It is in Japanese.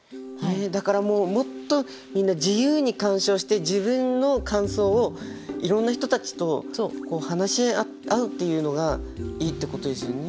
だからもっとみんな自由に鑑賞して自分の感想をいろんな人たちと話し合うっていうのがいいってことですよね。